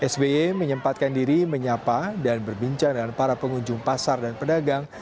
sby menyempatkan diri menyapa dan berbincang dengan para pengunjung pasar dan pedagang